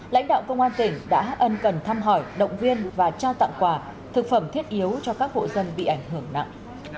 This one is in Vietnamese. lãnh đạo công an tỉnh đã ân cần thăm hỏi động viên và trao tặng quà thực phẩm thiết yếu cho các hộ dân bị ảnh hưởng nặng